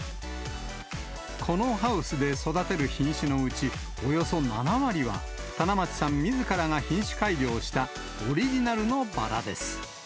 このハウスで育てる品種のうち、およそ７割は、棚町さんみずからが品種改良したオリジナルのバラです。